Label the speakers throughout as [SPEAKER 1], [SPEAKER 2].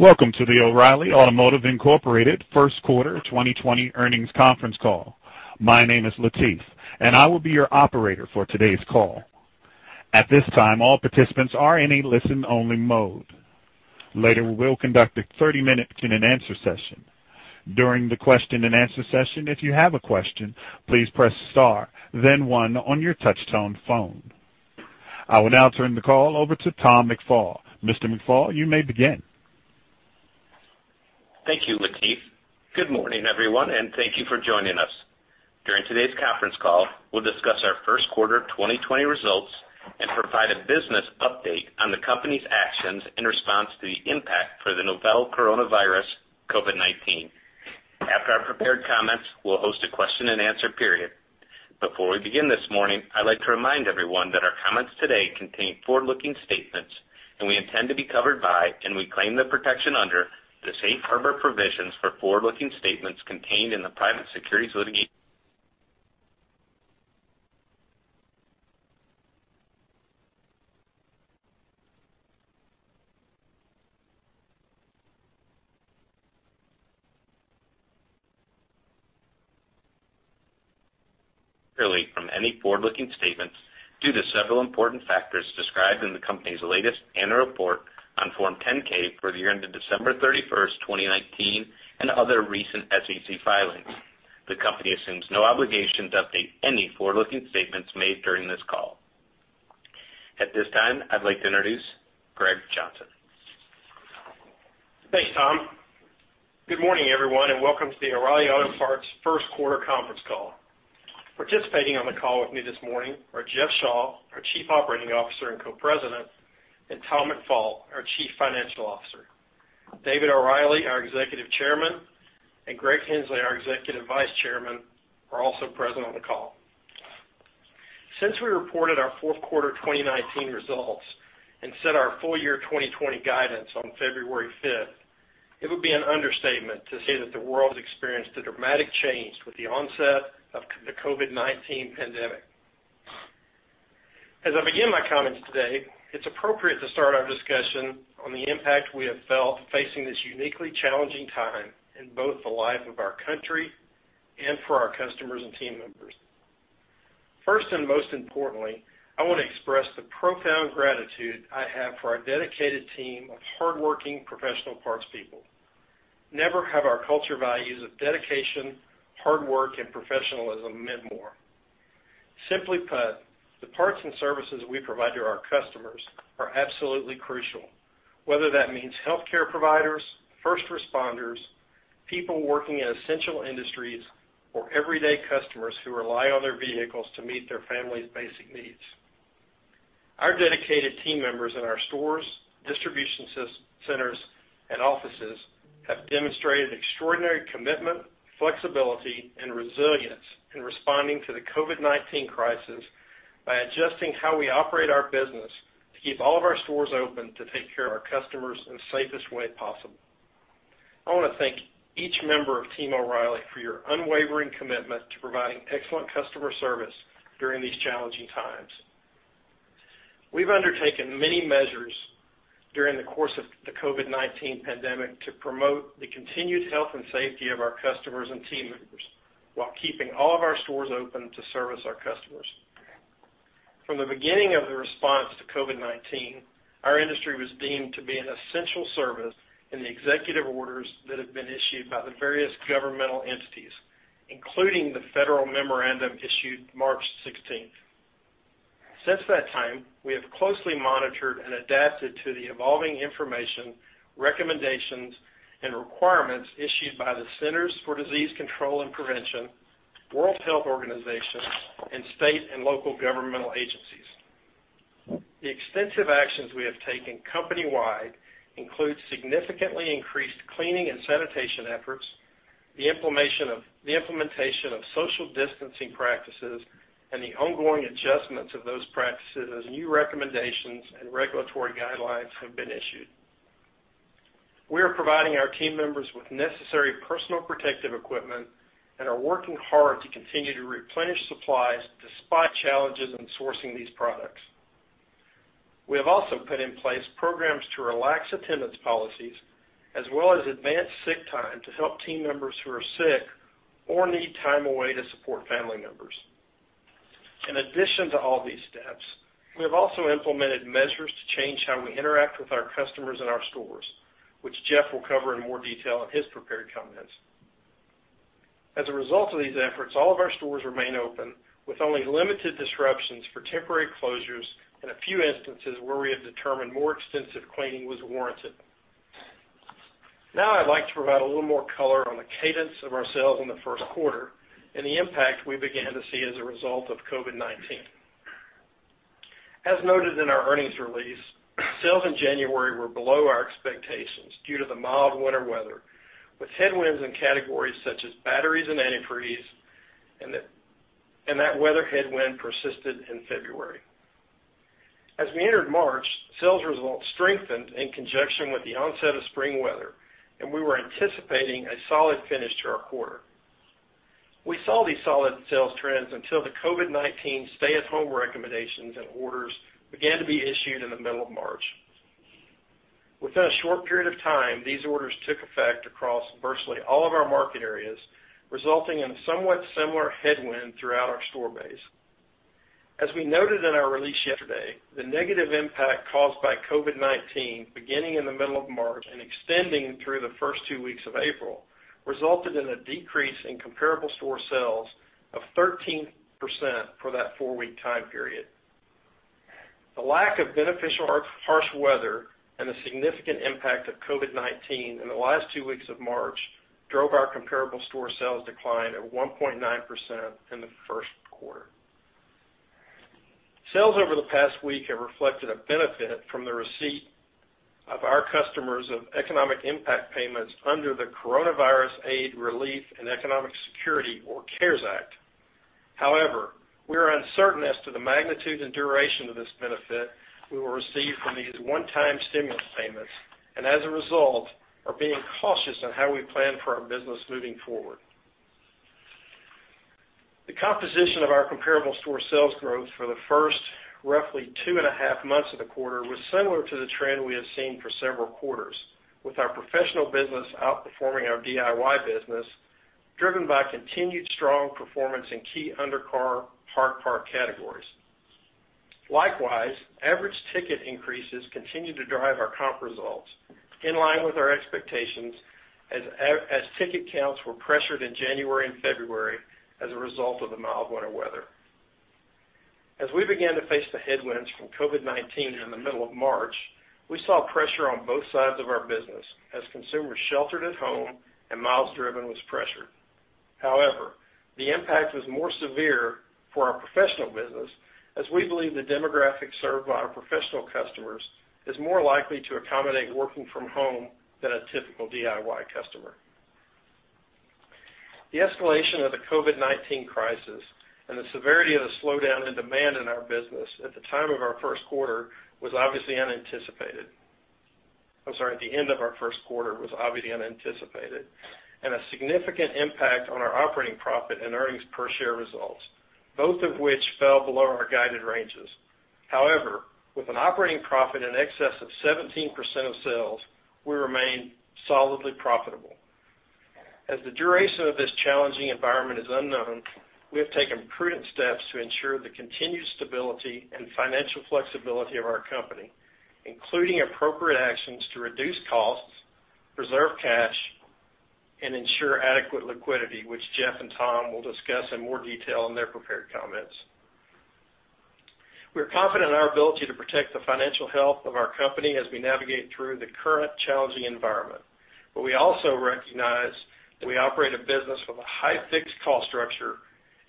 [SPEAKER 1] Welcome to the O'Reilly Automotive Incorporated First Quarter 2020 Earnings Conference Call. My name is Latif, and I will be your operator for today's call. At this time, all participants are in a listen-only mode. Later, we will conduct a 30-minute question-and-answer session. During the question-and-answer session, if you have a question, please press star then one on your touch-tone phone. I will now turn the call over to Tom McFall. Mr. McFall, you may begin.
[SPEAKER 2] Thank you, Latif. Good morning, everyone, and thank you for joining us. During today's conference call, we'll discuss our first quarter 2020 results and provide a business update on the company's actions in response to the impact for the novel coronavirus, COVID-19. After our prepared comments, we'll host a question and answer period. Before we begin this morning, I'd like to remind everyone that our comments today contain forward-looking statements, and we intend to be covered by and we claim the protection under the safe harbor provisions for forward-looking statements contained in the Private Securities Litigation Reform Act of 1995. From any forward-looking statements due to several important factors described in the company's latest annual report on Form 10-K for the year ended December 31st, 2019, and other recent SEC filings. The company assumes no obligation to update any forward-looking statements made during this call. At this time, I'd like to introduce Greg Johnson.
[SPEAKER 3] Thanks, Tom. Good morning, everyone, and welcome to the O'Reilly Automotive First Quarter Conference Call. Participating on the call with me this morning are Jeff Shaw, our Chief Operating Officer and Co-President, and Tom McFall, our Chief Financial Officer. David O'Reilly, our Executive Chairman, and Greg Henslee, our Executive Vice Chairman, are also present on the call. Since we reported our fourth quarter 2019 results and set our full-year 2020 guidance on February 5th, it would be an understatement to say that the world has experienced a dramatic change with the onset of the COVID-19 pandemic. As I begin my comments today, it's appropriate to start our discussion on the impact we have felt facing this uniquely challenging time in both the life of our country and for our customers and team members. First, most importantly, I want to express the profound gratitude I have for our dedicated team of hardworking professional parts people. Never have our culture values of dedication, hard work, and professionalism meant more. Simply put, the parts and services we provide to our customers are absolutely crucial, whether that means healthcare providers, first responders, people working in essential industries, or everyday customers who rely on their vehicles to meet their family's basic needs. Our dedicated team members in our stores, distribution centers, and offices have demonstrated extraordinary commitment, flexibility, and resilience in responding to the COVID-19 crisis by adjusting how we operate our business to keep all of our stores open to take care of our customers in the safest way possible. I want to thank each member of Team O'Reilly for your unwavering commitment to providing excellent customer service during these challenging times. We've undertaken many measures during the course of the COVID-19 pandemic to promote the continued health and safety of our customers and team members while keeping all of our stores open to service our customers. From the beginning of the response to COVID-19, our industry was deemed to be an essential service in the executive orders that have been issued by the various governmental entities, including the federal memorandum issued March 16th. Since that time, we have closely monitored and adapted to the evolving information, recommendations, and requirements issued by the Centers for Disease Control and Prevention, World Health Organization, and state and local governmental agencies. The extensive actions we have taken company-wide include significantly increased cleaning and sanitation efforts, the implementation of social distancing practices, and the ongoing adjustments of those practices as new recommendations and regulatory guidelines have been issued. We are providing our team members with necessary personal protective equipment and are working hard to continue to replenish supplies despite challenges in sourcing these products. We have also put in place programs to relax attendance policies, as well as advance sick time to help team members who are sick or need time away to support family members. In addition to all these steps, we have also implemented measures to change how we interact with our customers in our stores, which Jeff will cover in more detail in his prepared comments. As a result of these efforts, all of our stores remain open, with only limited disruptions for temporary closures in a few instances where we have determined more extensive cleaning was warranted. I'd like to provide a little more color on the cadence of our sales in the first quarter and the impact we began to see as a result of COVID-19. As noted in our earnings release, sales in January were below our expectations due to the mild winter weather, with headwinds in categories such as batteries and antifreeze, that weather headwind persisted in February. As we entered March, sales results strengthened in conjunction with the onset of spring weather, we were anticipating a solid finish to our quarter. We saw these solid sales trends until the COVID-19 stay-at-home recommendations and orders began to be issued in the middle of March. Within a short period of time, these orders took effect across virtually all of our market areas, resulting in somewhat similar headwind throughout our store base. As we noted in our release yesterday, the negative impact caused by COVID-19 beginning in the middle of March and extending through the first two weeks of April, resulted in a decrease in comparable store sales of 13% for that four-week time period. The lack of beneficial harsh weather and the significant impact of COVID-19 in the last two weeks of March drove our comparable store sales decline at 1.9% in the first quarter. Sales over the past week have reflected a benefit from the receipt of our customers of economic impact payments under the Coronavirus Aid, Relief, and Economic Security, or CARES Act. We are uncertain as to the magnitude and duration of this benefit we will receive from these one-time stimulus payments, and as a result, are being cautious on how we plan for our business moving forward. The composition of our comparable store sales growth for the first roughly two and a half months of the quarter was similar to the trend we have seen for several quarters. With our professional business outperforming our DIY business, driven by continued strong performance in key undercar hard part categories. Likewise, average ticket increases continue to drive our comp results, in line with our expectations as ticket counts were pressured in January and February as a result of the mild winter weather. As we began to face the headwinds from COVID-19 in the middle of March, we saw pressure on both sides of our business as consumers sheltered at home and miles driven was pressured. However, the impact was more severe for our professional business, as we believe the demographic served by our professional customers is more likely to accommodate working from home than a typical DIY customer. The escalation of the COVID-19 crisis and the severity of the slowdown in demand in our business at the end of our first quarter was obviously unanticipated, and a significant impact on our operating profit and earnings per share results, both of which fell below our guided ranges. With an operating profit in excess of 17% of sales, we remain solidly profitable. As the duration of this challenging environment is unknown, we have taken prudent steps to ensure the continued stability and financial flexibility of our company, including appropriate actions to reduce costs, preserve cash, and ensure adequate liquidity, which Jeff and Tom will discuss in more detail in their prepared comments. We're confident in our ability to protect the financial health of our company as we navigate through the current challenging environment. We also recognize that we operate a business with a high fixed cost structure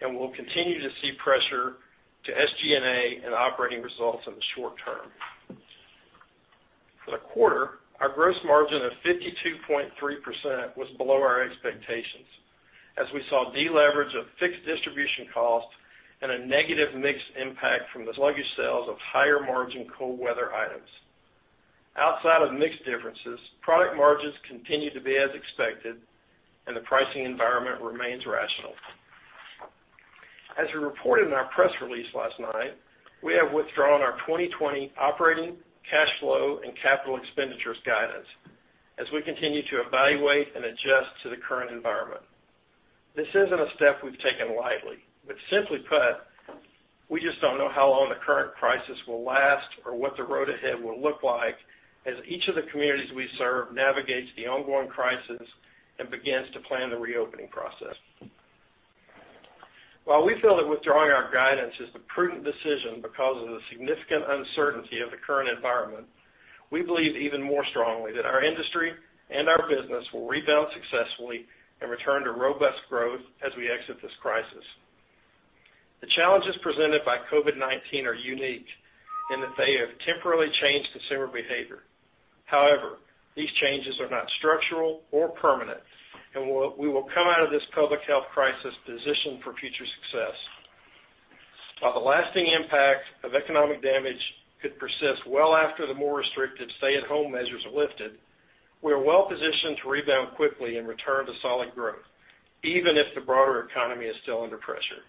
[SPEAKER 3] and will continue to see pressure to SG&A and operating results in the short term. For the quarter, our gross margin of 52.3% was below our expectations, as we saw deleverage of fixed distribution costs and a negative mix impact from the sluggish sales of higher margin cold weather items. Outside of mix differences, product margins continued to be as expected and the pricing environment remains rational. As we reported in our press release last night, we have withdrawn our 2020 operating cash flow and capital expenditures guidance as we continue to evaluate and adjust to the current environment. This isn't a step we've taken lightly, but simply put, we just don't know how long the current crisis will last or what the road ahead will look like as each of the communities we serve navigates the ongoing crisis and begins to plan the reopening process. While we feel that withdrawing our guidance is the prudent decision because of the significant uncertainty of the current environment, we believe even more strongly that our industry and our business will rebound successfully and return to robust growth as we exit this crisis. The challenges presented by COVID-19 are unique in that they have temporarily changed consumer behavior. However, these changes are not structural or permanent, and we will come out of this public health crisis positioned for future success. While the lasting impact of economic damage could persist well after the more restrictive stay-at-home measures are lifted, we are well positioned to rebound quickly and return to solid growth, even if the broader economy is still under pressure.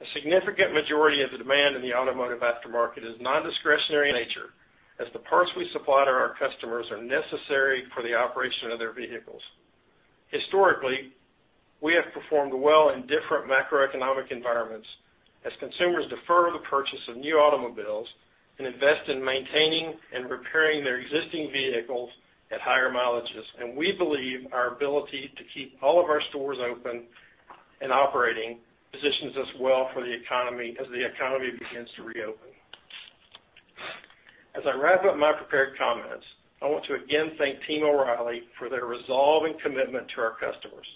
[SPEAKER 3] A significant majority of the demand in the automotive aftermarket is non-discretionary in nature, as the parts we supply to our customers are necessary for the operation of their vehicles. Historically, we have performed well in different macroeconomic environments as consumers defer the purchase of new automobiles and invest in maintaining and repairing their existing vehicles at higher mileages. We believe our ability to keep all of our stores open and operating positions us well as the economy begins to reopen. As I wrap up my prepared comments, I want to again thank Team O'Reilly for their resolving commitment to our customers.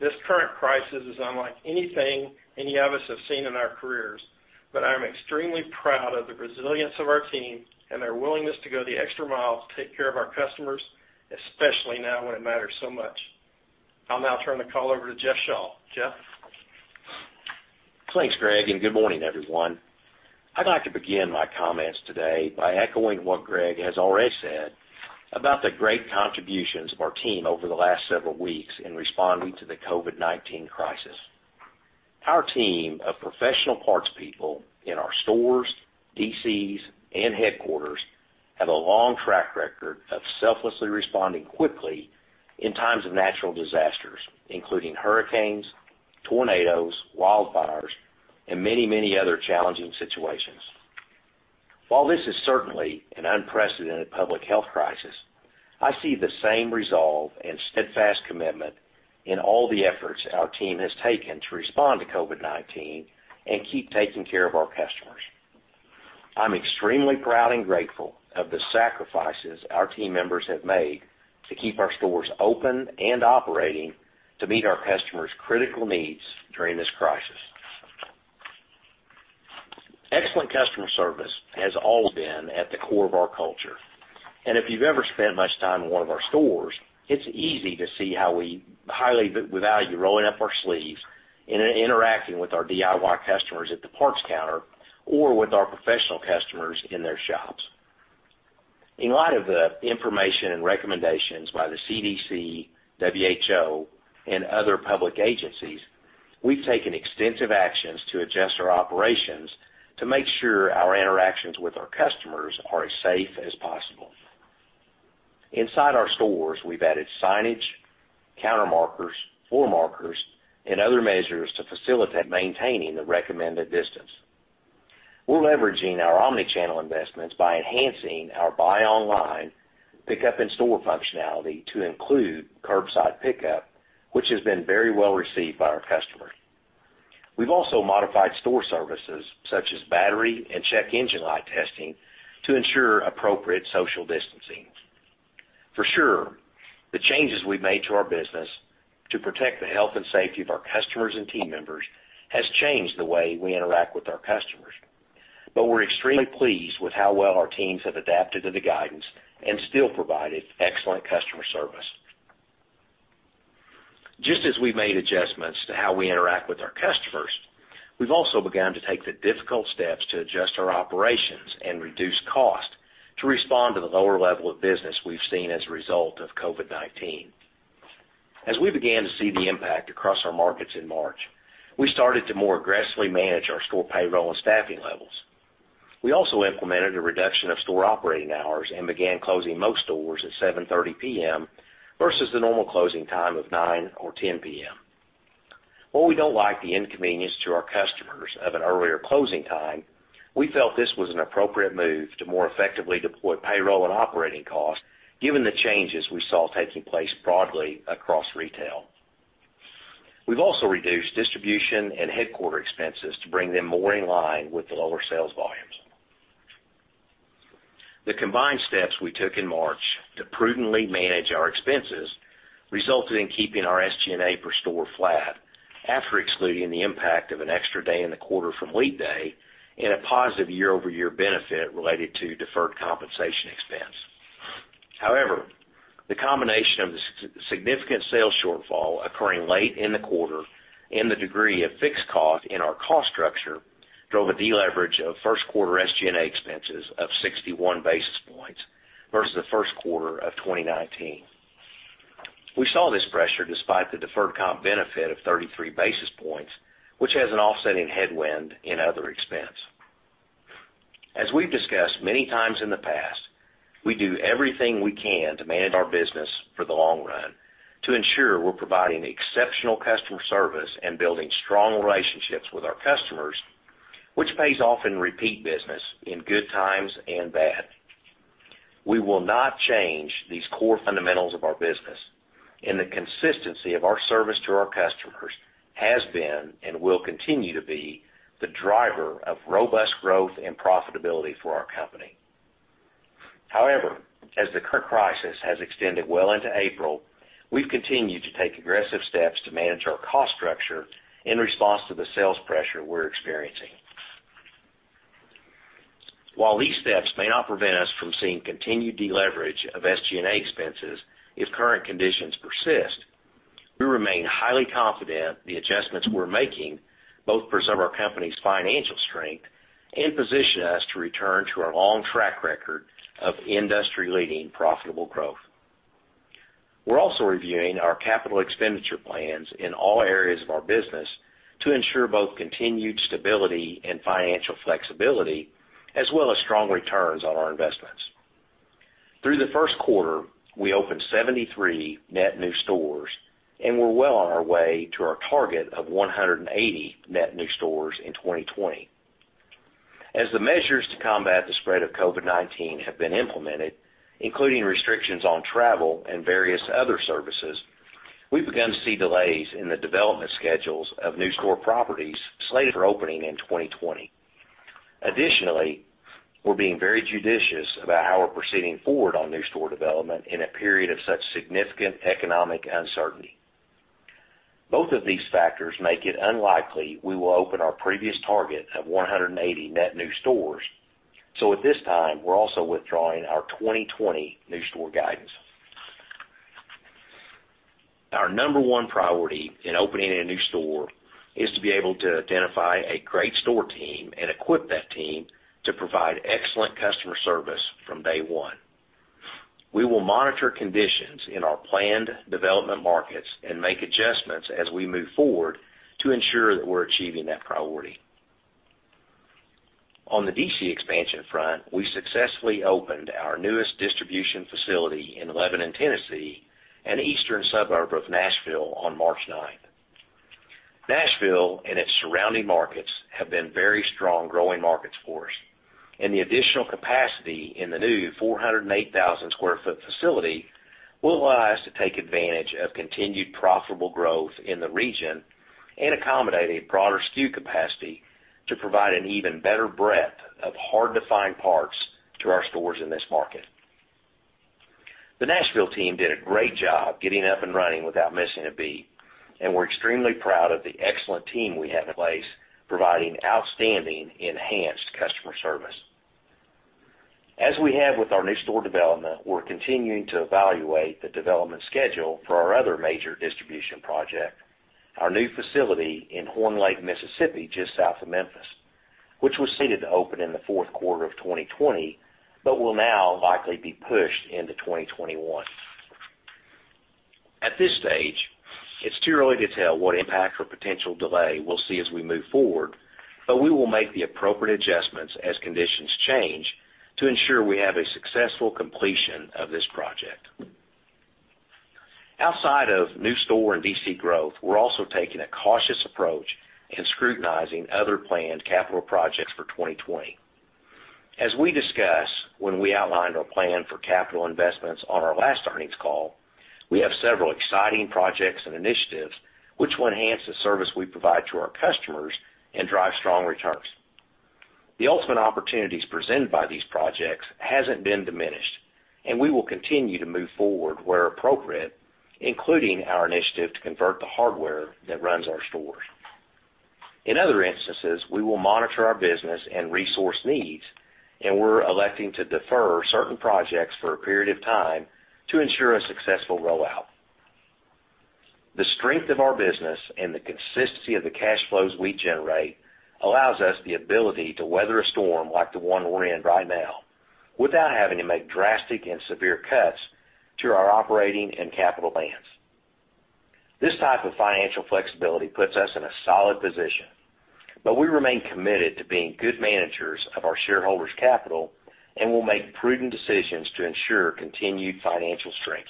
[SPEAKER 3] This current crisis is unlike anything any of us have seen in our careers, but I'm extremely proud of the resilience of our team and their willingness to go the extra mile to take care of our customers, especially now when it matters so much. I'll now turn the call over to Jeff Shaw. Jeff?
[SPEAKER 4] Thanks, Greg. Good morning, everyone. I'd like to begin my comments today by echoing what Greg has already said about the great contributions of our team over the last several weeks in responding to the COVID-19 crisis. Our team of professional parts people in our stores, DCs, and headquarters have a long track record of selflessly responding quickly in times of natural disasters, including hurricanes, tornadoes, wildfires, and many other challenging situations. While this is certainly an unprecedented public health crisis, I see the same resolve and steadfast commitment in all the efforts our team has taken to respond to COVID-19 and keep taking care of our customers. I'm extremely proud and grateful of the sacrifices our team members have made to keep our stores open and operating to meet our customers' critical needs during this crisis. Excellent customer service has always been at the core of our culture. If you've ever spent much time in one of our stores, it's easy to see how we highly value rolling up our sleeves and interacting with our DIY customers at the parts counter or with our professional customers in their shops. In light of the information and recommendations by the CDC, WHO, and other public agencies, we've taken extensive actions to adjust our operations to make sure our interactions with our customers are as safe as possible. Inside our stores, we've added signage, counter markers, floor markers, and other measures to facilitate maintaining the recommended distance. We're leveraging our omni-channel investments by enhancing our buy online pickup in-store functionality to include curbside pickup, which has been very well received by our customers. We've also modified store services such as battery and check engine light testing to ensure appropriate social distancing. For sure, the changes we've made to our business to protect the health and safety of our customers and team members has changed the way we interact with our customers. We're extremely pleased with how well our teams have adapted to the guidance and still provided excellent customer service. Just as we've made adjustments to how we interact with our customers, we've also begun to take the difficult steps to adjust our operations and reduce cost to respond to the lower level of business we've seen as a result of COVID-19. As we began to see the impact across our markets in March, we started to more aggressively manage our store payroll and staffing levels. We also implemented a reduction of store operating hours and began closing most stores at 7:30 P.M. versus the normal closing time of 9:00 or 10:00 P.M. While we don't like the inconvenience to our customers of an earlier closing time, we felt this was an appropriate move to more effectively deploy payroll and operating costs given the changes we saw taking place broadly across retail. We've also reduced distribution and headquarter expenses to bring them more in line with the lower sales volumes. The combined steps we took in March to prudently manage our expenses resulted in keeping our SG&A per store flat after excluding the impact of an extra day in the quarter from leap day and a positive year-over-year benefit related to deferred compensation expense. However, the combination of the significant sales shortfall occurring late in the quarter and the degree of fixed cost in our cost structure drove a deleverage of first quarter SG&A expenses of 61 basis points versus the first quarter of 2019. We saw this pressure despite the deferred comp benefit of 33 basis points, which has an offsetting headwind in other expense. As we've discussed many times in the past, we do everything we can to manage our business for the long run to ensure we're providing exceptional customer service and building strong relationships with our customers, which pays off in repeat business in good times and bad. We will not change these core fundamentals of our business, and the consistency of our service to our customers has been and will continue to be the driver of robust growth and profitability for our company. However, as the current crisis has extended well into April, we've continued to take aggressive steps to manage our cost structure in response to the sales pressure we're experiencing. While these steps may not prevent us from seeing continued deleverage of SG&A expenses if current conditions persist, we remain highly confident the adjustments we're making both preserve our company's financial strength and position us to return to our long track record of industry-leading profitable growth. We're also reviewing our capital expenditure plans in all areas of our business to ensure both continued stability and financial flexibility, as well as strong returns on our investments. Through the first quarter, we opened 73 net new stores, and we're well on our way to our target of 180 net new stores in 2020. As the measures to combat the spread of COVID-19 have been implemented, including restrictions on travel and various other services, we've begun to see delays in the development schedules of new store properties slated for opening in 2020. We're being very judicious about how we're proceeding forward on new store development in a period of such significant economic uncertainty. Both of these factors make it unlikely we will open our previous target of 180 net new stores. At this time, we're also withdrawing our 2020 new store guidance. Our number one priority in opening a new store is to be able to identify a great store team and equip that team to provide excellent customer service from day one. We will monitor conditions in our planned development markets and make adjustments as we move forward to ensure that we're achieving that priority. On the DC expansion front, we successfully opened our newest distribution facility in Lebanon, Tennessee, an eastern suburb of Nashville, on March 9th. Nashville and its surrounding markets have been very strong growing markets for us, and the additional capacity in the new 408,000 sq ft facility will allow us to take advantage of continued profitable growth in the region and accommodate a broader SKU capacity to provide an even better breadth of hard-to-find parts to our stores in this market. The Nashville team did a great job getting up and running without missing a beat, and we're extremely proud of the excellent team we have in place, providing outstanding enhanced customer service. As we have with our new store development, we're continuing to evaluate the development schedule for our other major distribution project, our new facility in Horn Lake, Mississippi, just south of Memphis, which was slated to open in the fourth quarter of 2020, but will now likely be pushed into 2021. At this stage, it's too early to tell what impact or potential delay we'll see as we move forward, but we will make the appropriate adjustments as conditions change to ensure we have a successful completion of this project. Outside of new store and DC growth, we're also taking a cautious approach in scrutinizing other planned capital projects for 2020. As we discussed when we outlined our plan for capital investments on our last earnings call, we have several exciting projects and initiatives which will enhance the service we provide to our customers and drive strong returns. The ultimate opportunities presented by these projects hasn't been diminished, and we will continue to move forward where appropriate, including our initiative to convert the hardware that runs our stores. In other instances, we will monitor our business and resource needs, and we're electing to defer certain projects for a period of time to ensure a successful rollout. The strength of our business and the consistency of the cash flows we generate allows us the ability to weather a storm like the one we're in right now without having to make drastic and severe cuts to our operating and capital plans. This type of financial flexibility puts us in a solid position, but we remain committed to being good managers of our shareholders' capital and will make prudent decisions to ensure continued financial strength.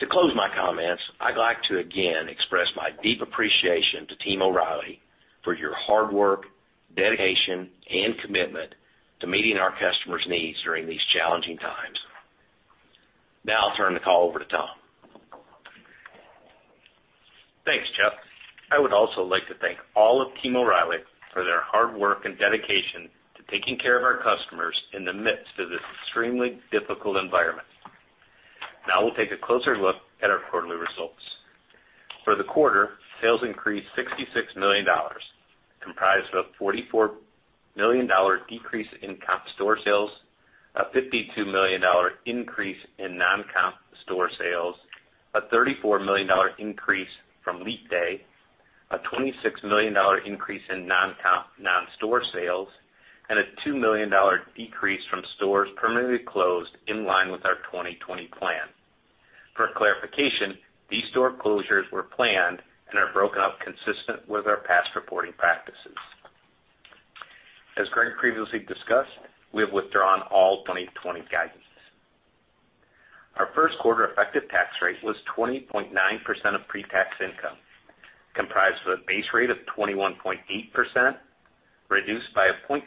[SPEAKER 4] To close my comments, I'd like to again express my deep appreciation to Team O’Reilly for your hard work, dedication, and commitment to meeting our customers' needs during these challenging times. Now I'll turn the call over to Tom.
[SPEAKER 2] Thanks, Jeff. I would also like to thank all of Team O'Reilly for their hard work and dedication to taking care of our customers in the midst of this extremely difficult environment. Now we'll take a closer look at our quarterly results. For the quarter, sales increased $66 million, comprised of a $44 million decrease in comp store sales, a $52 million increase in non-comp store sales, a $34 million increase from leap day, a $26 million increase in non-comp non-store sales, and a $2 million decrease from stores permanently closed in line with our 2020 plan. For clarification, these store closures were planned and are broken up consistent with our past reporting practices. As Greg previously discussed, we have withdrawn all 2020 guidances. Our first quarter effective tax rate was 20.9% of pre-tax income, comprised of a base rate of 21.8%, reduced by a 0.9%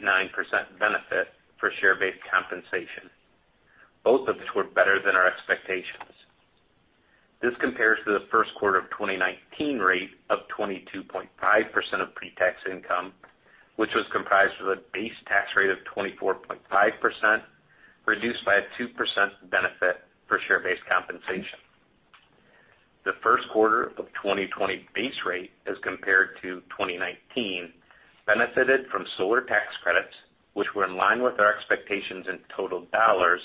[SPEAKER 2] benefit for share-based compensation, both of which were better than our expectations. This compares to the first quarter of 2019 rate of 22.5% of pre-tax income, which was comprised of a base tax rate of 24.5%, reduced by a 2% benefit for share-based compensation. The first quarter of 2020 base rate as compared to 2019 benefited from solar tax credits, which were in line with our expectations in total dollars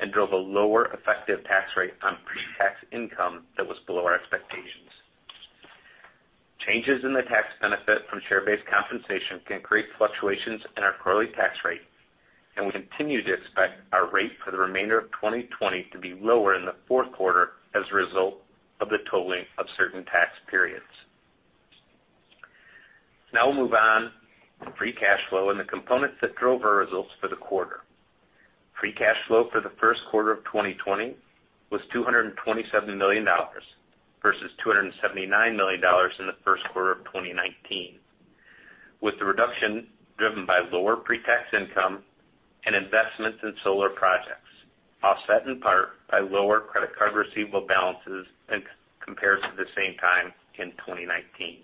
[SPEAKER 2] and drove a lower effective tax rate on pre-tax income that was below our expectations. Changes in the tax benefit from share-based compensation can create fluctuations in our quarterly tax rate, and we continue to expect our rate for the remainder of 2020 to be lower in the fourth quarter as a result of the totaling of certain tax periods. Now we'll move on to free cash flow and the components that drove our results for the quarter. Free cash flow for the first quarter of 2020 was $227 million versus $279 million in the first quarter of 2019, with the reduction driven by lower pre-tax income and investments in solar projects, offset in part by lower credit card receivable balances compared to the same time in 2019.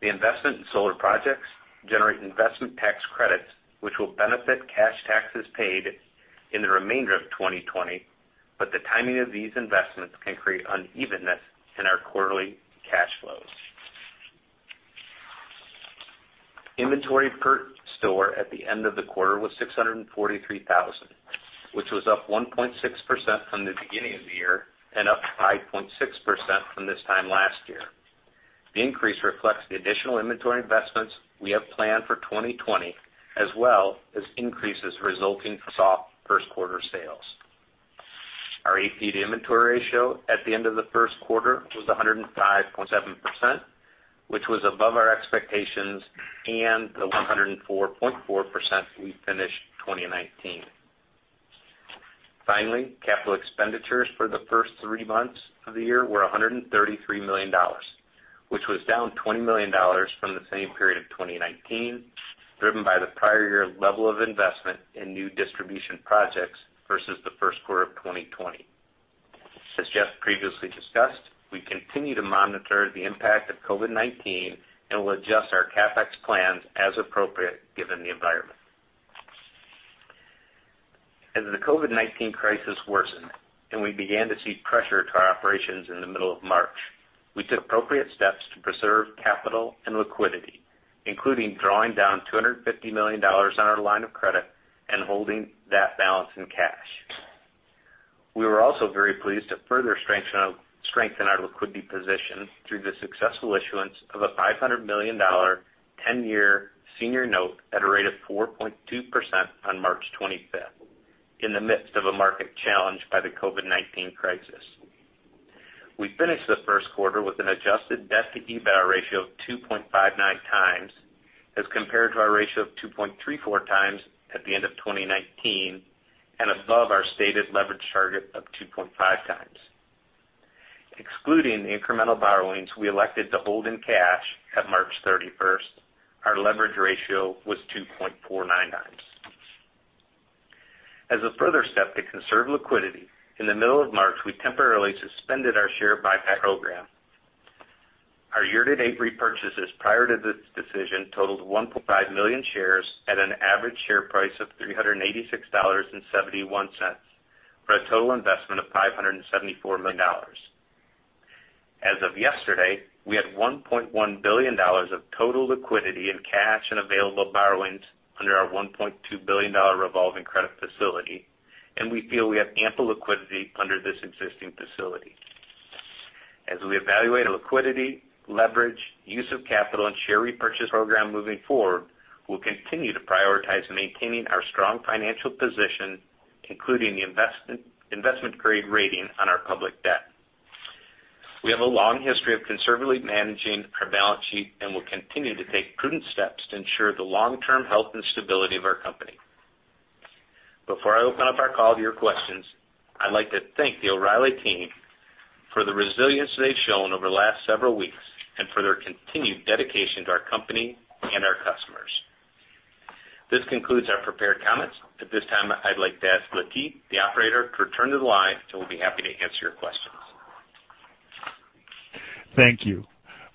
[SPEAKER 2] The investment in solar projects generate investment tax credits, which will benefit cash taxes paid in the remainder of 2020, the timing of these investments can create unevenness in our quarterly cash flows. Inventory per store at the end of the quarter was 643,000, which was up 1.6% from the beginning of the year and up 5.6% from this time last year. The increase reflects the additional inventory investments we have planned for 2020, as well as increases resulting from soft first quarter sales. Our AP to inventory ratio at the end of the first quarter was 105.7%, which was above our expectations and the 104.4% we finished 2019. Finally, capital expenditures for the first three months of the year were $133 million, which was down $20 million from the same period of 2019, driven by the prior year level of investment in new distribution projects versus the first quarter of 2020. As Jeff previously discussed, we continue to monitor the impact of COVID-19, and we'll adjust our CapEx plans as appropriate given the environment. As the COVID-19 crisis worsened and we began to see pressure to our operations in the middle of March, we took appropriate steps to preserve capital and liquidity, including drawing down $250 million on our line of credit and holding that balance in cash. We were also very pleased to further strengthen our liquidity position through the successful issuance of a $500 million 10-year senior note at a rate of 4.2% on March 25th, in the midst of a market challenged by the COVID-19 crisis. We finished the first quarter with an adjusted debt-to-EBITDA ratio of 2.59x as compared to our ratio of 2.34x at the end of 2019 and above our stated leverage target of 2.5x. Excluding incremental borrowings we elected to hold in cash at March 31st, our leverage ratio was 2.49x. As a further step to conserve liquidity, in the middle of March, we temporarily suspended our share buyback program. Our year-to-date repurchases prior to this decision totaled 1.5 million shares at an average share price of $386.71 for a total investment of $574 million. As of yesterday, we had $1.1 billion of total liquidity in cash and available borrowings under our $1.2 billion revolving credit facility. We feel we have ample liquidity under this existing facility. As we evaluate our liquidity, leverage, use of capital and share repurchase program moving forward, we'll continue to prioritize maintaining our strong financial position, including the investment-grade rating on our public debt. We have a long history of conservatively managing our balance sheet and will continue to take prudent steps to ensure the long-term health and stability of our company. Before I open up our call to your questions, I'd like to thank the O'Reilly team for the resilience they've shown over the last several weeks and for their continued dedication to our company and our customers. This concludes our prepared comments. At this time, I'd like to ask Latif, the operator, to return to the line, and we'll be happy to answer your questions.
[SPEAKER 1] Thank you.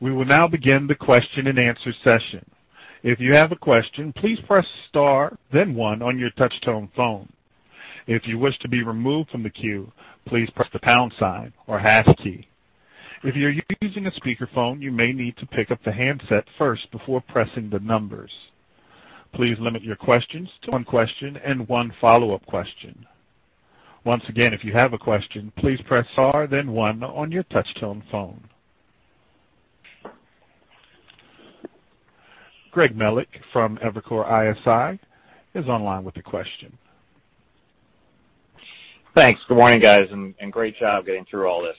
[SPEAKER 1] We will now begin the question-and-answer session. If you have a question, please press star then one on your touch-tone phone. If you wish to be removed from the queue, please press the pound sign or hash key. If you're using a speakerphone, you may need to pick up the handset first before pressing the numbers. Please limit your questions to one question and one follow-up question. Once again, if you have a question, please press star then one on your touch-tone phone. Greg Melich from Evercore ISI is online with a question.
[SPEAKER 5] Thanks. Good morning, guys. Great job getting through all this.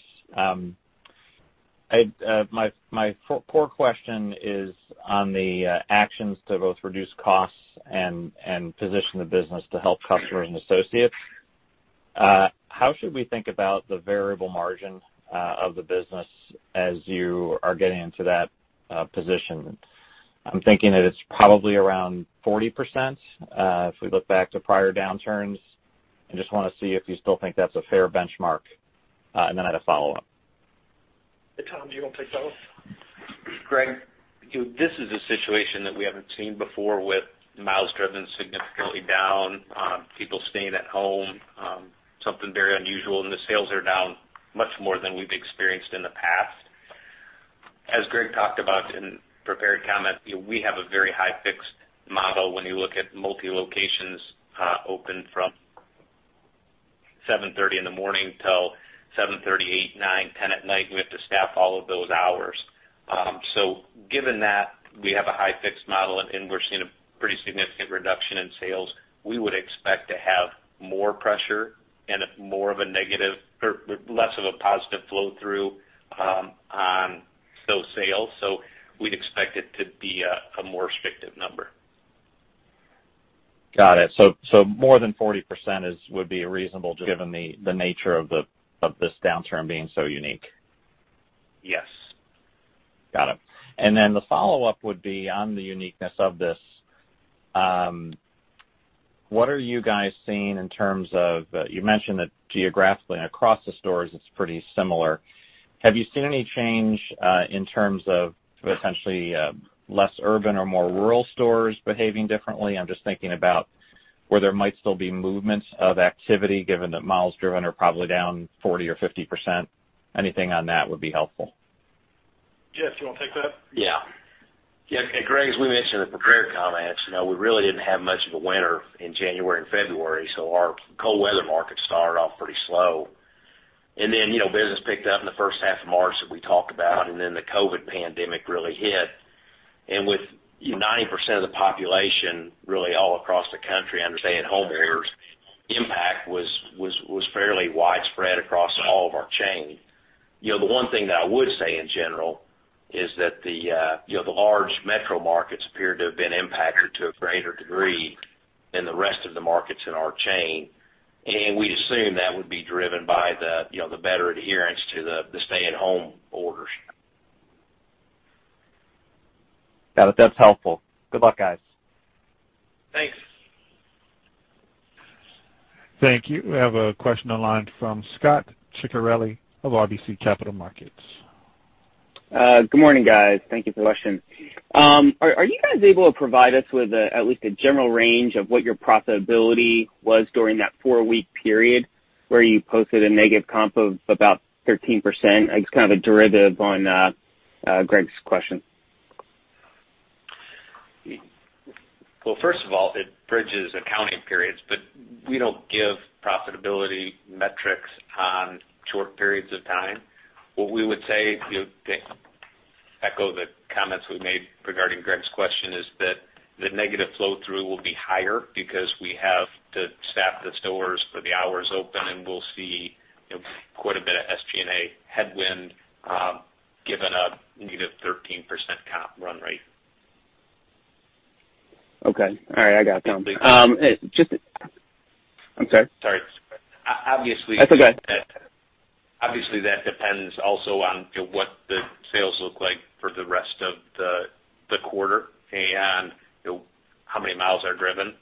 [SPEAKER 5] My core question is on the actions to both reduce costs and position the business to help customers and associates. How should we think about the variable margin of the business as you are getting into that position? I'm thinking that it's probably around 40% if we look back to prior downturns. I just want to see if you still think that's a fair benchmark. I had a follow-up.
[SPEAKER 3] Hey, Tom, do you want to take both?
[SPEAKER 2] Greg, this is a situation that we haven't seen before with miles driven significantly down, people staying at home, something very unusual. The sales are down much more than we've experienced in the past. As Greg talked about in prepared comments, we have a very high fixed model when you look at multi-locations open from 7:30 A.M. till 7:30 P.M., 8:00 P.M., 9:00 P.M., 10:00 P.M. at night. We have to staff all of those hours. Given that we have a high fixed model and we're seeing a pretty significant reduction in sales, we would expect to have more pressure and less of a positive flow-through on those sales. We'd expect it to be a more restrictive number.
[SPEAKER 5] Got it. More than 40% would be reasonable given the nature of this downturn being so unique?
[SPEAKER 2] Yes.
[SPEAKER 5] Got it. The follow-up would be on the uniqueness of this. What are you guys seeing in terms of, you mentioned that geographically across the stores, it's pretty similar. Have you seen any change in terms of potentially less urban or more rural stores behaving differently? I'm just thinking about where there might still be movements of activity given that miles driven are probably down 40% or 50%. Anything on that would be helpful.
[SPEAKER 3] Jeff, do you want to take that?
[SPEAKER 4] Greg, as we mentioned in the prepared comments, we really didn't have much of a winter in January and February, our cold weather market started off pretty slow. Business picked up in the first half of March, as we talked about, the COVID pandemic really hit. With 90% of the population really all across the country under stay-at-home orders, impact was fairly widespread across all of our chain. The one thing that I would say in general is that the large metro markets appear to have been impacted to a greater degree than the rest of the markets in our chain. We assume that would be driven by the better adherence to the stay-at-home orders.
[SPEAKER 5] Got it. That's helpful. Good luck, guys.
[SPEAKER 4] Thanks.
[SPEAKER 1] Thank you. We have a question online from Scot Ciccarelli of RBC Capital Markets.
[SPEAKER 6] Good morning, guys. Thank you for the question. Are you guys able to provide us with at least a general range of what your profitability was during that four-week period where you posted a negative comp of about 13%? It's kind of a derivative on Greg's question.
[SPEAKER 2] Well, first of all, it bridges accounting periods, we don't give profitability metrics on short periods of time. What we would say to echo the comments we made regarding Greg's question is that the negative flow-through will be higher because we have to staff the stores for the hours open, we'll see quite a bit of SG&A headwind given a negative 13% comp run rate.
[SPEAKER 6] Okay. All right. I got you.
[SPEAKER 2] Sorry.
[SPEAKER 6] That's okay.
[SPEAKER 2] Obviously, that depends also on what the sales look like for the rest of the quarter and how many miles are driven.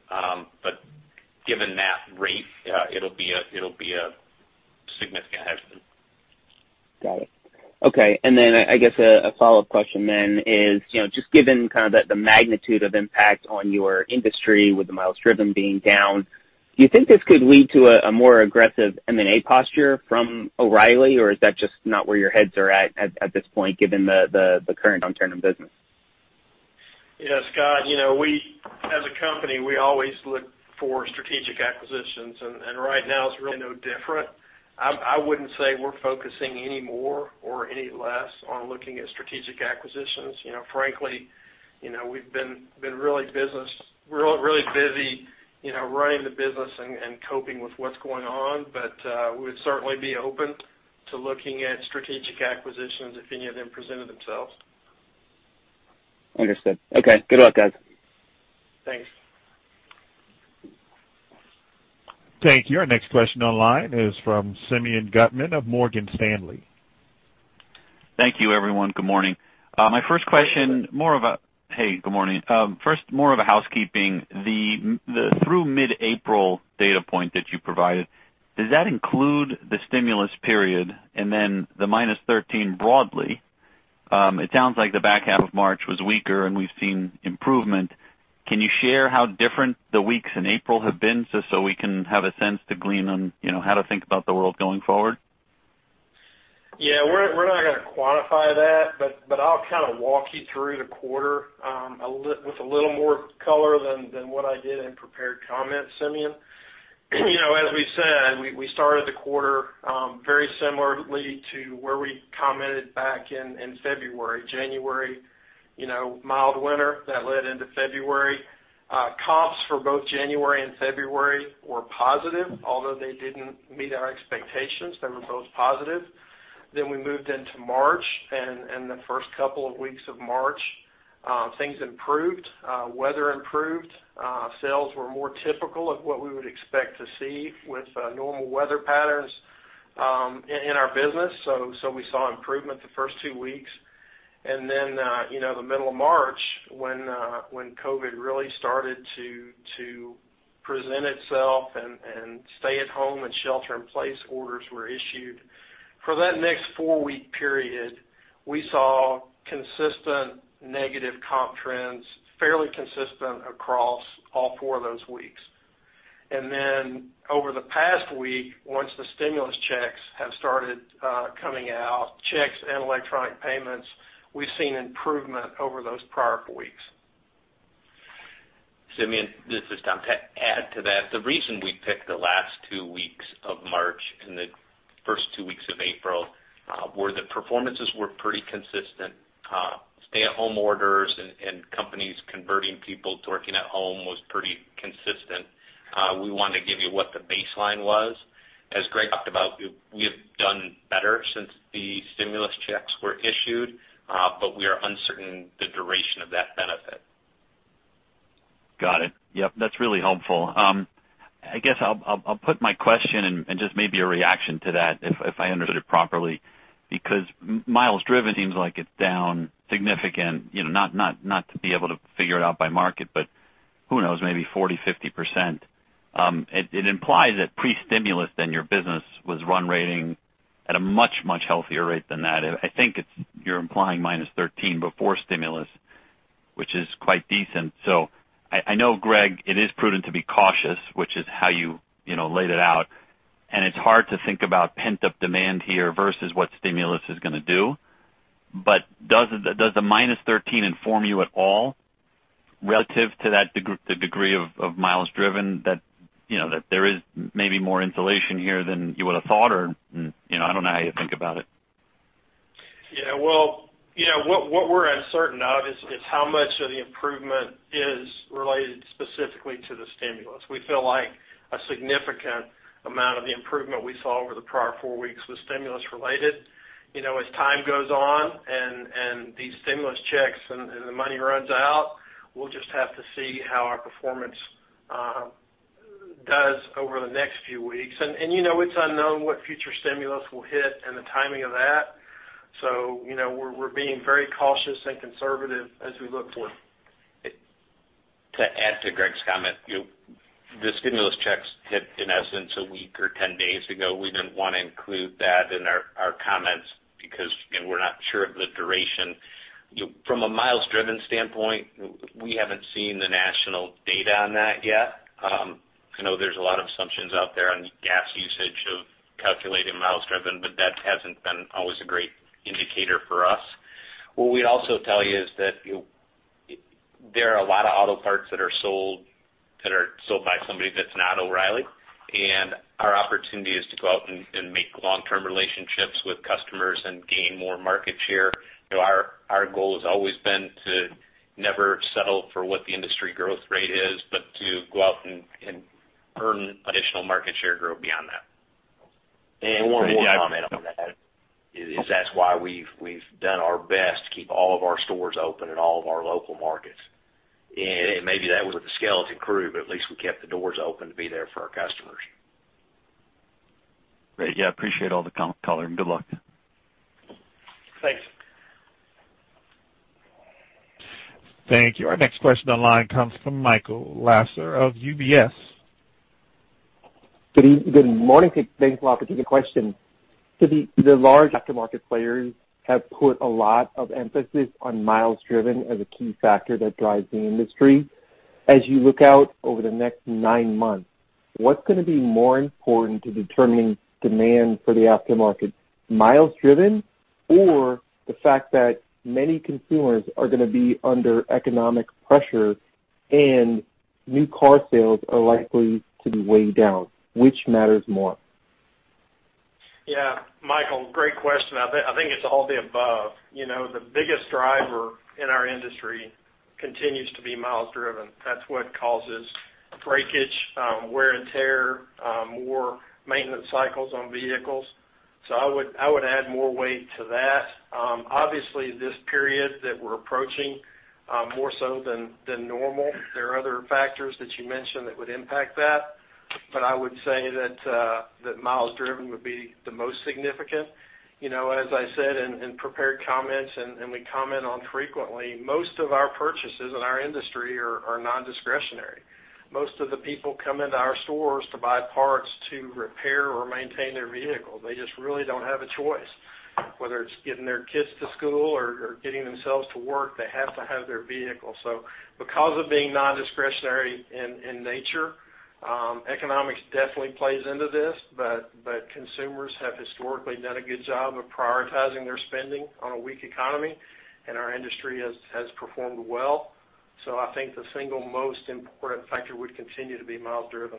[SPEAKER 2] Given that rate, it'll be a significant headwind.
[SPEAKER 6] Got it. Okay. I guess a follow-up question then is, just given kind of the magnitude of impact on your industry with the miles driven being down, do you think this could lead to a more aggressive M&A posture from O'Reilly? Is that just not where your heads are at this point, given the current downturn in business?
[SPEAKER 3] Yeah, Scot, as a company, we always look for strategic acquisitions, and right now is really no different. I wouldn't say we're focusing any more or any less on looking at strategic acquisitions. Frankly, we've been really busy running the business and coping with what's going on. We would certainly be open to looking at strategic acquisitions if any of them presented themselves.
[SPEAKER 6] Understood. Okay. Good luck, guys.
[SPEAKER 3] Thanks.
[SPEAKER 1] Thank you. Our next question online is from Simeon Gutman of Morgan Stanley.
[SPEAKER 7] Thank you, everyone. Good morning. Hey, good morning. More of a housekeeping. Through mid-April data point that you provided, does that include the stimulus period and then the -13% broadly? It sounds like the back half of March was weaker, and we've seen improvement. Can you share how different the weeks in April have been just so we can have a sense to glean on how to think about the world going forward?
[SPEAKER 3] Yeah, we're not going to quantify that, but I'll kind of walk you through the quarter with a little more color than what I did in prepared comments, Simeon. As we said, we started the quarter very similarly to where I commented back in February. January, mild winter that led into February. Comps for both January and February were positive. Although they didn't meet our expectations, they were both positive. We moved into March, and the first couple of weeks of March, things improved. Weather improved. Sales were more typical of what we would expect to see with normal weather patterns in our business. We saw improvement the first two weeks. The middle of March when COVID really started to present itself and stay-at-home and shelter-in-place orders were issued. For that next four-week period, we saw consistent negative comp trends, fairly consistent across all four of those weeks. Over the past week, once the stimulus checks have started coming out, checks and electronic payments, we've seen improvement over those prior four weeks.
[SPEAKER 2] Simeon, this is Tom. To add to that, the reason we picked the last two weeks of March and the first two weeks of April were the performances were pretty consistent. Stay-at-home orders and companies converting people to working at home was pretty consistent. We want to give you what the baseline was. As Greg talked about, we have done better since the stimulus checks were issued, but we are uncertain the duration of that benefit.
[SPEAKER 7] Got it. Yep, that's really helpful. I guess I'll put my question and just maybe a reaction to that if I understood it properly, because miles driven seems like it's down significant, not to be able to figure it out by market, who knows, maybe 40%-50%. It implies that pre-stimulus then your business was run rating at a much, much healthier rate than that. I think you're implying -13% before stimulus. It is quite decent. I know, Greg, it is prudent to be cautious, which is how you laid it out, and it's hard to think about pent-up demand here versus what stimulus is going to do. Does the -13 inform you at all relative to the degree of miles driven that there is maybe more insulation here than you would've thought? I don't know how you think about it.
[SPEAKER 3] Yeah. What we're uncertain of is how much of the improvement is related specifically to the stimulus. We feel like a significant amount of the improvement we saw over the prior four weeks was stimulus related. As time goes on, these stimulus checks and the money runs out, we'll just have to see how our performance does over the next few weeks. It's unknown what future stimulus will hit and the timing of that. We're being very cautious and conservative as we look forward.
[SPEAKER 2] To add to Greg's comment, the stimulus checks hit, in essence, a week or 10 days ago. We didn't want to include that in our comments because we're not sure of the duration. From a miles-driven standpoint, we haven't seen the national data on that yet. I know there's a lot of assumptions out there on gas usage of calculating miles driven, but that hasn't been always a great indicator for us. What we'd also tell you is that there are a lot of auto parts that are sold by somebody that's not O'Reilly, and our opportunity is to go out and make long-term relationships with customers and gain more market share. Our goal has always been to never settle for what the industry growth rate is, but to go out and earn additional market share growth beyond that.
[SPEAKER 4] One more comment on that is that's why we've done our best to keep all of our stores open in all of our local markets. Maybe that was with a skeleton crew, but at least we kept the doors open to be there for our customers.
[SPEAKER 7] Great. Yeah, appreciate all the color, and good luck.
[SPEAKER 3] Thanks.
[SPEAKER 1] Thank you. Our next question online comes from Michael Lasser of UBS.
[SPEAKER 8] Good morning. Thanks a lot for taking the question. The large aftermarket players have put a lot of emphasis on miles driven as a key factor that drives the industry. As you look out over the next nine months, what's going to be more important to determining demand for the aftermarket, miles driven, or the fact that many consumers are going to be under economic pressure and new car sales are likely to be way down? Which matters more?
[SPEAKER 3] Michael, great question. I think it's all the above. The biggest driver in our industry continues to be miles driven. That's what causes breakage, wear and tear, more maintenance cycles on vehicles. I would add more weight to that. Obviously, this period that we're approaching, more so than normal, there are other factors that you mentioned that would impact that, but I would say that miles driven would be the most significant. I said in prepared comments and we comment on frequently, most of our purchases in our industry are non-discretionary. Most of the people come into our stores to buy parts to repair or maintain their vehicle. They just really don't have a choice. Whether it's getting their kids to school or getting themselves to work, they have to have their vehicle. Because of being non-discretionary in nature, economics definitely plays into this, but consumers have historically done a good job of prioritizing their spending on a weak economy, and our industry has performed well. I think the single most important factor would continue to be miles driven.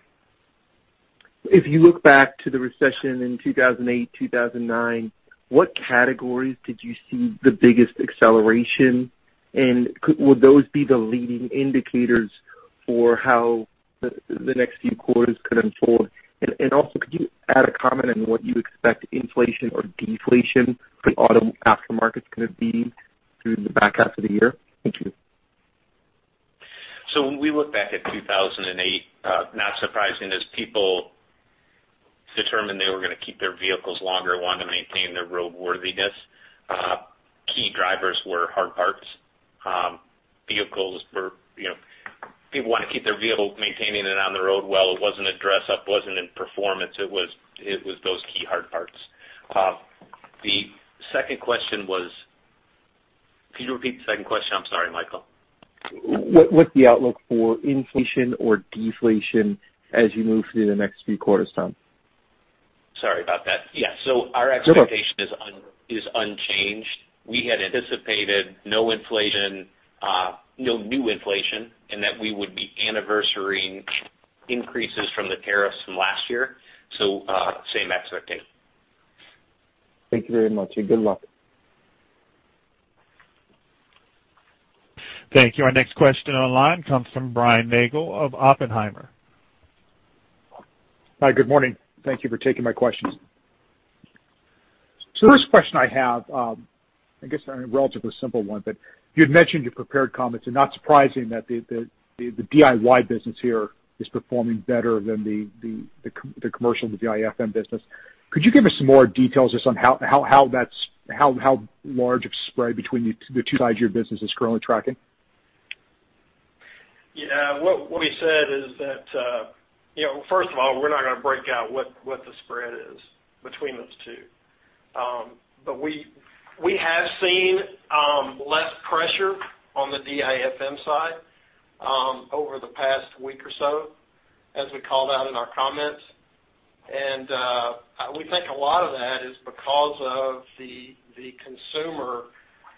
[SPEAKER 8] If you look back to the recession in 2008, 2009, what categories did you see the biggest acceleration? Would those be the leading indicators for how the next few quarters could unfold? Also, could you add a comment on what you expect inflation or deflation for the auto aftermarket is going to be through the back half of the year? Thank you.
[SPEAKER 2] When we look back at 2008, not surprising, as people determined they were going to keep their vehicles longer, wanted to maintain their roadworthiness, key drivers were hard parts. People wanted to keep their vehicle maintaining it on the road well. It wasn't in dress up, wasn't in performance. It was those key hard parts. The second question was. Could you repeat the second question? I'm sorry, Michael.
[SPEAKER 8] What's the outlook for inflation or deflation as you move through the next few quarters, Tom?
[SPEAKER 2] Sorry about that. Yeah.
[SPEAKER 8] No problem.
[SPEAKER 2] Our expectation is unchanged. We had anticipated no new inflation, and that we would be anniversarying increases from the tariffs from last year, so same expectation.
[SPEAKER 8] Thank you very much, and good luck.
[SPEAKER 1] Thank you. Our next question online comes from Brian Nagel of Oppenheimer.
[SPEAKER 9] Hi, good morning. Thank you for taking my questions. The first question I have, I guess a relatively simple one, but you had mentioned your prepared comments, and not surprising that the DIY business here is performing better than the commercial, the DIFM business. Could you give us some more details just on how large of spread between the two sides of your business is currently tracking?
[SPEAKER 3] Yeah. What we said is that, first of all, we're not going to break out what the spread is between those two. We have seen less pressure on the DIFM side over the past week or so, as we called out in our comments. We think a lot of that is because of the consumer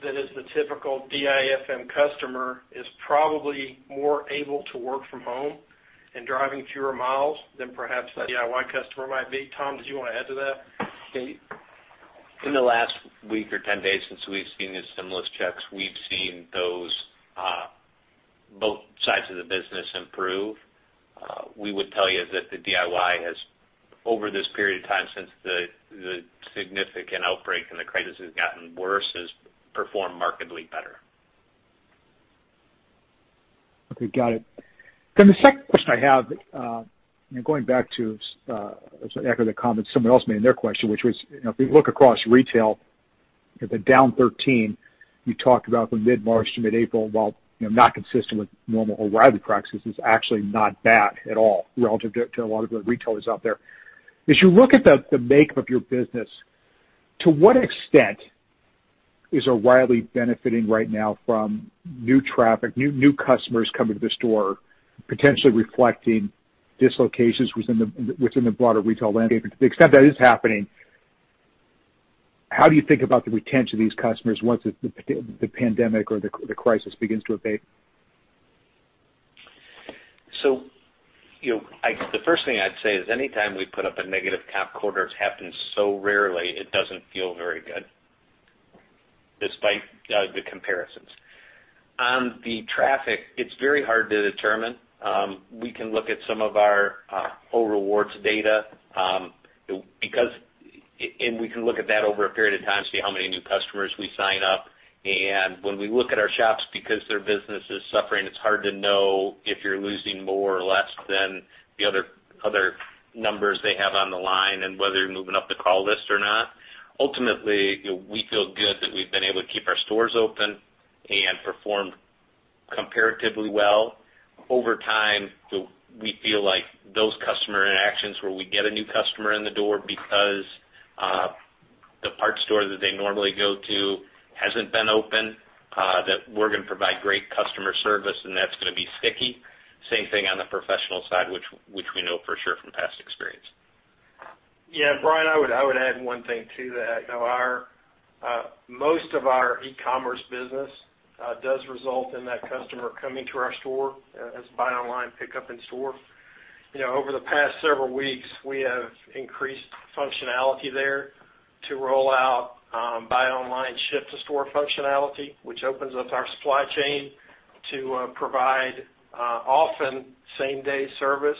[SPEAKER 3] that is the typical DIFM customer is probably more able to work from home and driving fewer miles than perhaps that DIY customer might be. Tom, did you want to add to that?
[SPEAKER 2] In the last week or 10 days since we've seen the stimulus checks, we've seen both sides of the business improve. We would tell you that the DIY has, over this period of time since the significant outbreak and the crisis has gotten worse, has performed markedly better.
[SPEAKER 9] Okay. Got it. The second question I have, going back to an echo of the comment someone else made in their question, which was, if we look across retail at the down 13 you talked about from mid-March to mid-April, while not consistent with normal O'Reilly practices, is actually not bad at all relative to a lot of other retailers out there. As you look at the makeup of your business, to what extent is O'Reilly benefiting right now from new traffic, new customers coming to the store, potentially reflecting dislocations within the broader retail landscape? To the extent that is happening, how do you think about the retention of these customers once the pandemic or the crisis begins to abate?
[SPEAKER 2] The first thing I'd say is anytime we put up a negative comp quarter, it's happened so rarely, it doesn't feel very good, despite the comparisons. On the traffic, it's very hard to determine. We can look at some of our O'Rewards data. We can look at that over a period of time to see how many new customers we sign up. When we look at our shops because their business is suffering, it's hard to know if you're losing more or less than the other numbers they have on the line and whether you're moving up the call list or not. Ultimately, we feel good that we've been able to keep our stores open and perform comparatively well. Over time, we feel like those customer interactions where we get a new customer in the door because the parts store that they normally go to hasn't been open, that we're going to provide great customer service, and that's going to be sticky. Same thing on the professional side, which we know for sure from past experience.
[SPEAKER 3] Yeah, Brian, I would add one thing to that. Most of our e-commerce business does result in that customer coming to our store as buy online, pick up in store. Over the past several weeks, we have increased functionality there to roll out buy online, ship to store functionality, which opens up our supply chain to provide often same-day service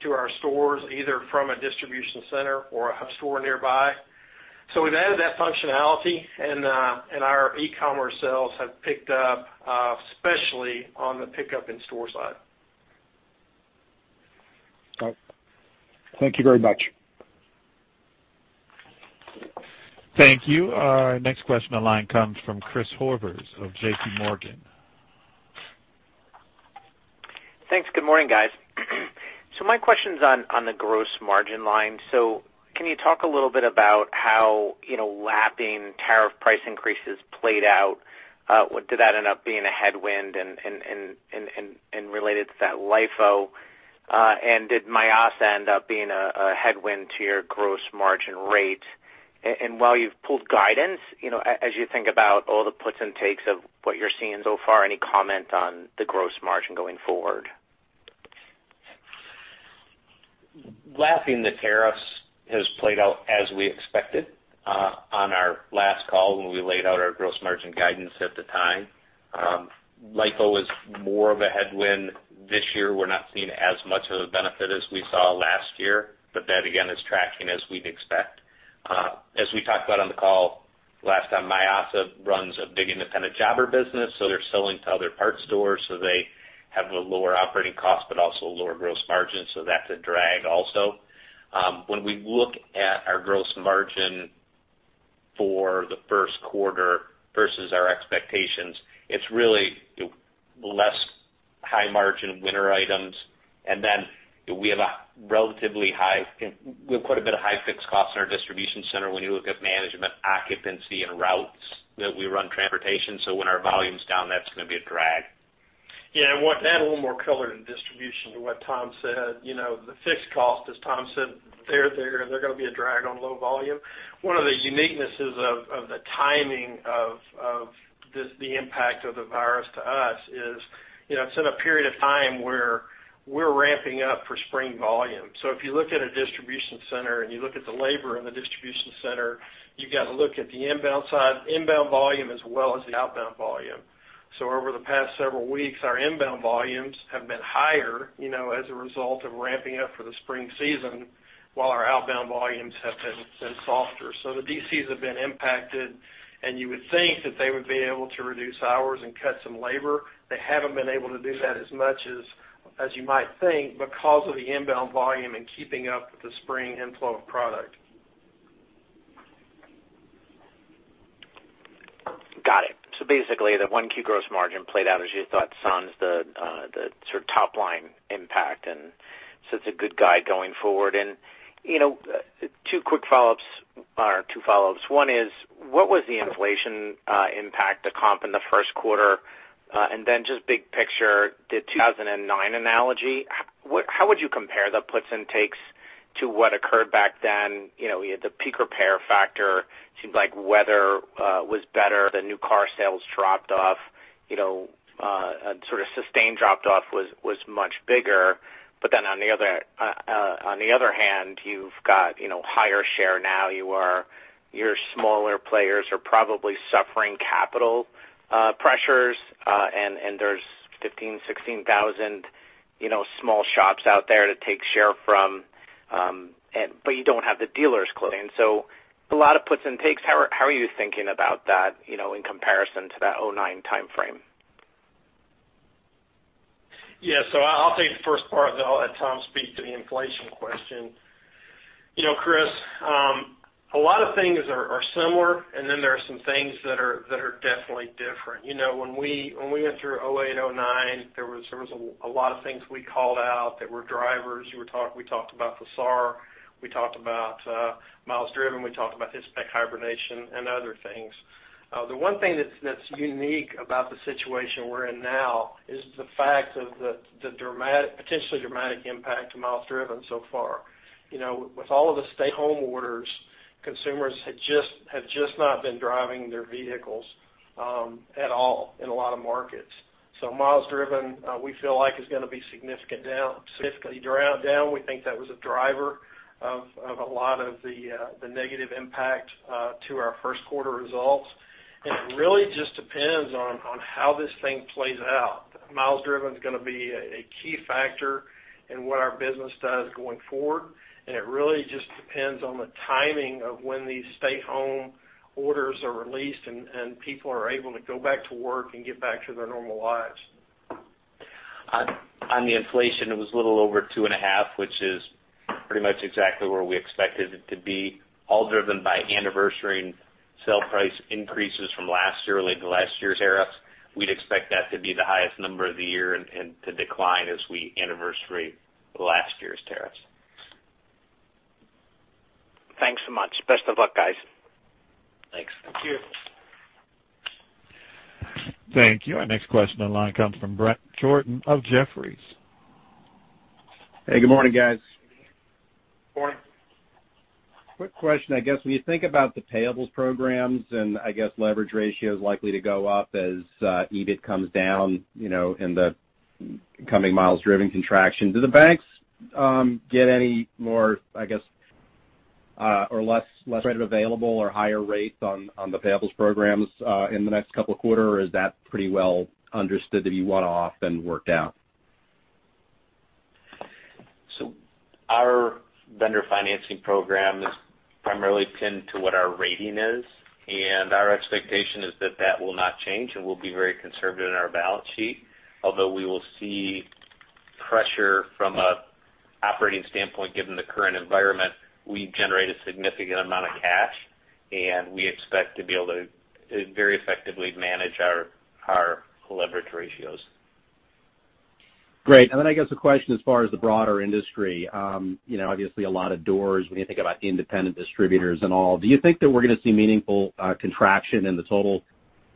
[SPEAKER 3] to our stores, either from a distribution center or a hub store nearby. We've added that functionality, and our e-commerce sales have picked up, especially on the pickup in store side.
[SPEAKER 9] All right. Thank you very much.
[SPEAKER 1] Thank you. Our next question on the line comes from Christopher Horvers of JPMorgan.
[SPEAKER 10] Thanks. Good morning, guys. My question's on the gross margin line. Can you talk a little bit about how lapping tariff price increases played out? Did that end up being a headwind? Related to that, LIFO. Did Mayasa end up being a headwind to your gross margin rate? While you've pulled guidance, as you think about all the puts and takes of what you're seeing so far, any comment on the gross margin going forward?
[SPEAKER 2] Lapping the tariffs has played out as we expected on our last call when we laid out our gross margin guidance at the time. LIFO is more of a headwind this year. That again, is tracking as we'd expect. As we talked about on the call last time, Mayasa runs a big independent jobber business, so they're selling to other parts stores, so they have a lower operating cost, but also a lower gross margin, so that's a drag also. When we look at our gross margin for the first quarter versus our expectations, it's really less high-margin winter items. We have quite a bit of high fixed costs in our distribution center when you look at management occupancy and routes that we run transportation. When our volume's down, that's going to be a drag.
[SPEAKER 3] I want to add a little more color to distribution to what Tom said. The fixed cost, as Tom said, they're going to be a drag on low volume. One of the uniquenesses of the timing of the impact of the virus to us is it's in a period of time where we're ramping up for spring volume. If you look at a distribution center and you look at the labor in the distribution center, you've got to look at the inbound side, inbound volume as well as the outbound volume. Over the past several weeks, our inbound volumes have been higher as a result of ramping up for the spring season while our outbound volumes have been softer. The DCs have been impacted, and you would think that they would be able to reduce hours and cut some labor. They haven't been able to do that as much as you might think because of the inbound volume and keeping up with the spring inflow of product.
[SPEAKER 10] Got it. Basically, the 1Q gross margin played out as you thought, sans the sort of top-line impact, it's a good guide going forward. Two quick follow-ups, or two follow-ups. One is, what was the inflation impact to comp in the first quarter? Just big picture, the 2009 analogy, how would you compare the puts and takes to what occurred back then? We had the peak repair factor, seemed like weather was better, the new car sales dropped off, and sort of sustained dropped off was much bigger. On the other hand, you've got higher share now. Your smaller players are probably suffering capital pressures, and there's 15,000, 16,000 small shops out there to take share from, but you don't have the dealers closing. A lot of puts and takes. How are you thinking about that in comparison to that 2009 timeframe?
[SPEAKER 3] Yeah. I'll take the first part, then I'll let Tom speak to the inflation question. Chris, a lot of things are similar, and then there are some things that are definitely different. When we went through 2008 and 2009, there was a lot of things we called out that were drivers. We talked about FASAR, we talked about miles driven, we talked about high-spec hibernation and other things. The one thing that's unique about the situation we're in now is the fact of the potentially dramatic impact to miles driven so far. With all of the stay-home orders, consumers have just not been driving their vehicles at all in a lot of markets. Miles driven, we feel like is going to be significantly down. We think that was a driver of a lot of the negative impact to our first quarter results. It really just depends on how this thing plays out. Miles driven's going to be a key factor in what our business does going forward, and it really just depends on the timing of when these stay-home orders are released and people are able to go back to work and get back to their normal lives.
[SPEAKER 2] On the inflation, it was a little over 2.5%, which is pretty much exactly where we expected it to be, all driven by anniversarying sale price increases from last year related to last year's tariffs. We'd expect that to be the highest number of the year and to decline as we anniversary last year's tariffs.
[SPEAKER 10] Thanks so much. Best of luck, guys.
[SPEAKER 2] Thanks.
[SPEAKER 3] Thank you.
[SPEAKER 1] Thank you. Our next question on the line comes from Bret Jordan of Jefferies.
[SPEAKER 11] Hey, good morning, guys.
[SPEAKER 3] Morning.
[SPEAKER 11] Quick question. I guess when you think about the payables programs and, I guess, leverage ratios likely to go up as EBIT comes down in the coming miles driven contraction, do the banks get any more, I guess, or less credit available or higher rates on the payables programs in the next couple of quarter, or is that pretty well understood to be one-off and worked out?
[SPEAKER 2] Our vendor financing program is primarily pinned to what our rating is, and our expectation is that that will not change, and we'll be very conservative in our balance sheet. Although we will see pressure from an operating standpoint, given the current environment, we generate a significant amount of cash, and we expect to be able to very effectively manage our leverage ratios.
[SPEAKER 11] Great. I guess a question as far as the broader industry. Obviously, a lot of doors when you think about independent distributors and all. Do you think that we're going to see meaningful contraction in the total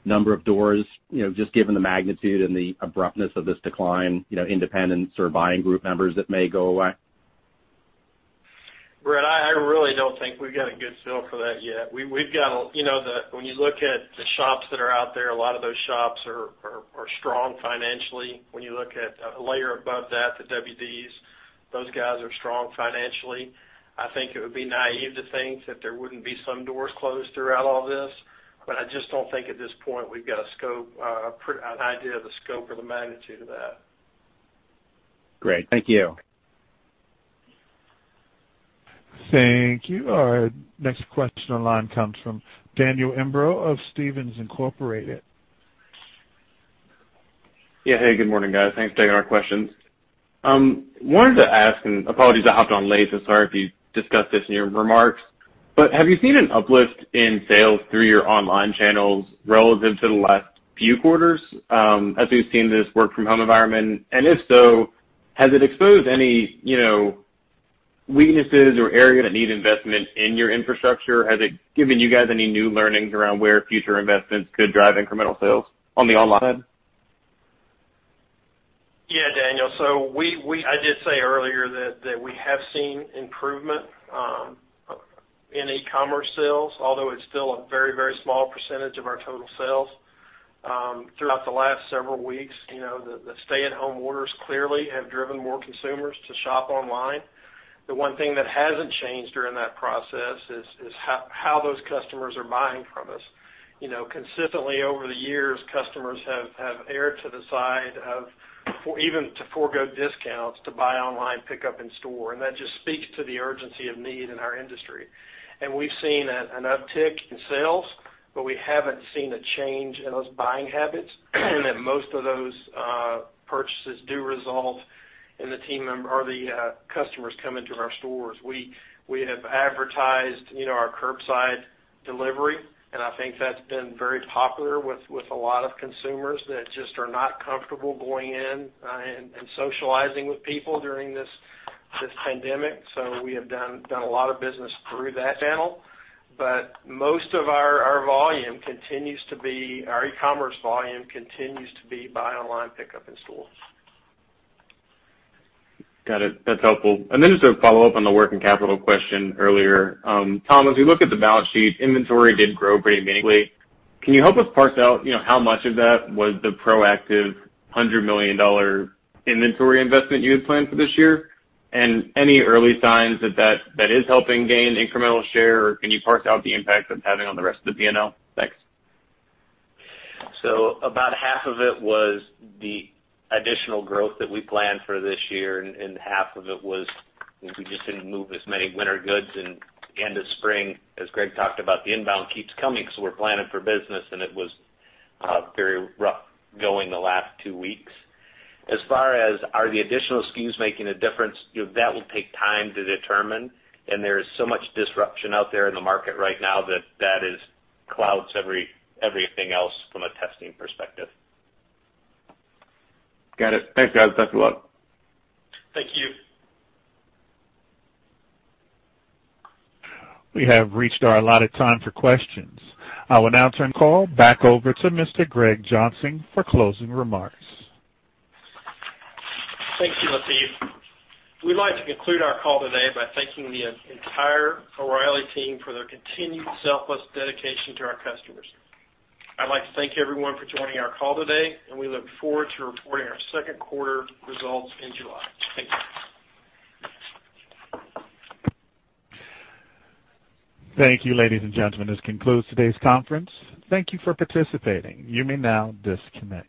[SPEAKER 11] number of doors, just given the magnitude and the abruptness of this decline, independents or buying group members that may go away?
[SPEAKER 3] Bret, I really don't think we've got a good feel for that yet. When you look at the shops that are out there, a lot of those shops are strong financially. When you look at a layer above that, the WDs, those guys are strong financially. I think it would be naive to think that there wouldn't be some doors closed throughout all this, but I just don't think at this point we've got an idea of the scope or the magnitude of that.
[SPEAKER 11] Great. Thank you.
[SPEAKER 1] Thank you. Our next question on the line comes from Daniel Imbro of Stephens Inc.
[SPEAKER 12] Hey, good morning, guys. Thanks for taking our questions. I wanted to ask, and apologies I hopped on late, so sorry if you discussed this in your remarks, but have you seen an uplift in sales through your online channels relative to the last few quarters, as we've seen this work from home environment? If so, has it exposed any weaknesses or area that need investment in your infrastructure? Has it given you guys any new learnings around where future investments could drive incremental sales on the online?
[SPEAKER 3] Yeah, Daniel. I did say earlier that we have seen improvement in e-commerce sales, although it's still a very, very small percentage of our total sales. Throughout the last several weeks, the stay-at-home orders clearly have driven more consumers to shop online. The one thing that hasn't changed during that process is how those customers are buying from us. Consistently over the years, customers have erred to the side of even to forego discounts to buy online, pickup in store, and that just speaks to the urgency of need in our industry. We've seen an uptick in sales, but we haven't seen a change in those buying habits, and that most of those purchases do result in the customers coming to our stores. We have advertised our curbside delivery, and I think that's been very popular with a lot of consumers that just are not comfortable going in and socializing with people during this pandemic. We have done a lot of business through that channel. Most of our e-commerce volume continues to be buy online, pickup in store.
[SPEAKER 12] Got it. That's helpful. Then just a follow-up on the working capital question earlier. Tom, as we look at the balance sheet, inventory did grow pretty meaningfully. Can you help us parse out how much of that was the proactive $100 million inventory investment you had planned for this year? Any early signs that is helping gain incremental share, or can you parse out the impact it's having on the rest of the P&L? Thanks.
[SPEAKER 2] About half of it was the additional growth that we planned for this year, and half of it was, we just didn't move as many winter goods into spring. As Greg talked about, the inbound keeps coming, so we're planning for business, and it was very rough going the last two weeks. As far as, are the additional SKUs making a difference, that will take time to determine, and there is so much disruption out there in the market right now that clouds everything else from a testing perspective.
[SPEAKER 12] Got it. Thanks, guys. Best of luck.
[SPEAKER 3] Thank you.
[SPEAKER 1] We have reached our allotted time for questions. I will now turn the call back over to Mr. Greg Johnson for closing remarks.
[SPEAKER 3] Thank you, Latif. We'd like to conclude our call today by thanking the entire O'Reilly team for their continued selfless dedication to our customers. I'd like to thank everyone for joining our call today, and we look forward to reporting our second quarter results in July. Thank you.
[SPEAKER 1] Thank you, ladies and gentlemen. This concludes today's conference. Thank you for participating. You may now disconnect.